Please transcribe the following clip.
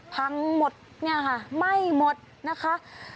พังหมดเนี่ยค่ะไหม้หมดนะคะ